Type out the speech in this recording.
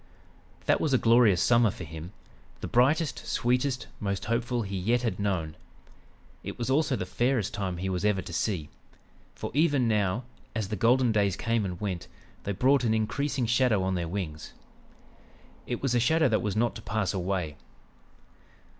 "That was a glorious summer for him; the brightest, sweetest, most hopeful he yet had known. It was also the fairest time he was ever to see; for even now, as the golden days came and went, they brought an increasing shadow on their wings. It was a shadow that was not to pass away.